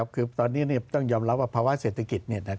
คือตอนนี้ต้องยอมรับว่าภาวะเศรษฐกิจ